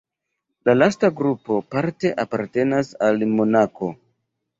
La lasta grupo parte apartenas al Monako.